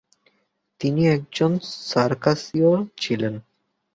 তিনি একজন সার্কাসীয় ছিলেন।